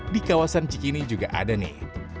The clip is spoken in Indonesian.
di kawasan cikini juga ada nih